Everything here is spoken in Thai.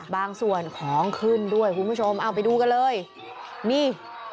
บางส่วนของขึ้นด้วยคุณผู้ชมเอาไปดูกันเลยนี่